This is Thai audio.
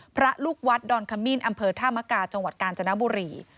พระลูกวัดดอนขมิ้นอำเภอธามกาจังหวัดกาญจนบุรี